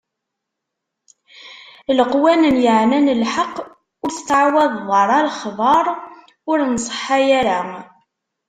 Leqwanen yeɛnan lḥeqq: ur tettɛawadeḍ ara lexbaṛ ur nṣeḥḥa ara.